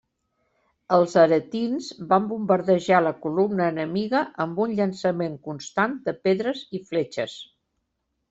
Els aretins van bombardejar la columna enemiga amb un llançament constant de pedres i fletxes.